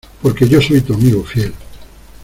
Porque yo soy tu amigo fiel.